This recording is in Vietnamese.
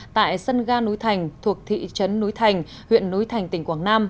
tại sân ga núi thành thuộc thị trấn núi thành huyện núi thành tỉnh quảng nam